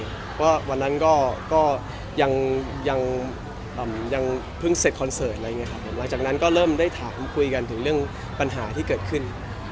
เพราะวันนั้นก็ยังเพิ่งเสร็จคอนเสร็จแล้วก็เริ่มได้ถามคุยกันถึงเรื่องปัญหาที่เกิดขึ้น